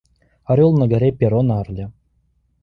Орел на горе, перо на орле.